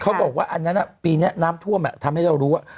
เขาบอกว่าอันนั้นปีนี้น้ำท่วมทำให้เรารู้ว่า